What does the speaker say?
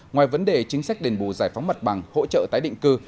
ngoài vấn đề chính sách đền bù giải phóng mặt bằng hỗ trợ tái định cư